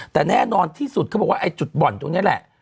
แต่แน่นอนที่สุดเขาบอกว่าไอ้จุดบ่อนตรงนี้แหละ